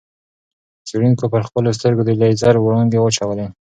څېړونکو پر خپلو سترګو د لېزر وړانګې واچولې.